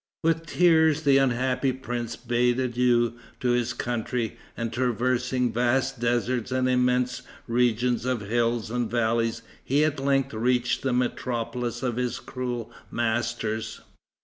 With tears the unhappy prince bade adieu to his country, and, traversing vast deserts and immense regions of hills and valleys, he at length reached the metropolis of his cruel masters.